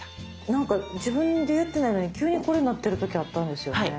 なんか自分でやってないのに急にこれになってる時あったんですよね。